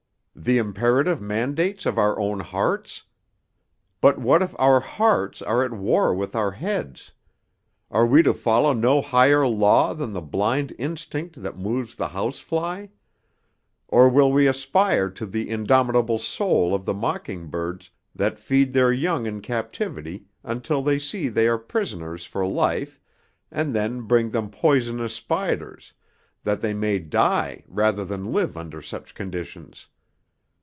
The imperative mandates of our own hearts? But what if our hearts are at war with our heads? Are we to follow no higher law than the blind instinct that moves the house fly? Or will we aspire to the indomitable soul of the mocking birds that feed their young in captivity until they see they are prisoners for life, and then bring them poisonous spiders that they may die rather than live under such conditions?